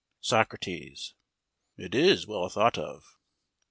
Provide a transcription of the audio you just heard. SOCRATES: It is well thought of.